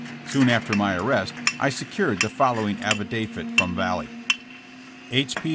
Soon after my arrest I secured the following affidavit from Vallee : "H. P.